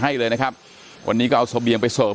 ให้เลยนะครับวันนี้ก็เอาเสบียงไปเสิร์ฟ